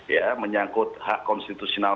ya menyangkut hak konstitusional